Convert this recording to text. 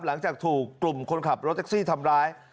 หลังจากถูกกลุ่มคนขับรถแท็กซี่ทำร้าย